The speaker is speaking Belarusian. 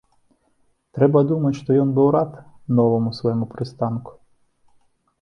Трэба думаць што ён быў рад новаму свайму прыстанку.